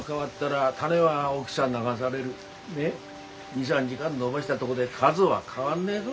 ２３時間延ばしたどごで数は変わんねえぞ。